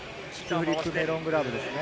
フリップメロングラブですね。